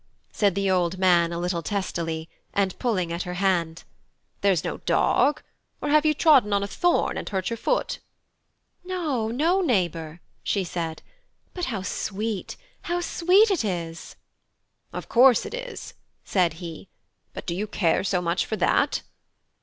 said the old man, a little testily, and pulling at her hand. "There's no dog; or have you trodden on a thorn and hurt your foot?" "No, no, neighbour," she said; "but how sweet, how sweet it is!" "Of course it is," said he, "but do you care so much for that?"